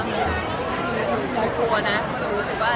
ไม่ต้องกลัวแต่รู้สึกว่า